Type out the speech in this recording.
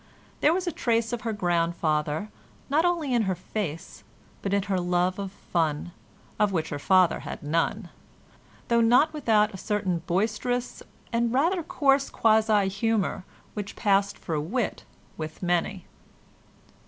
There was a trace of her grandfather, not only in her face, but in her love of fun, of which her father had none, though not without a certain boisterous and rather coarse quasi humour which passed for wit with many.